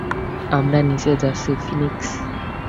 আমরা নিচে যাচ্ছি, ফিনিক্স।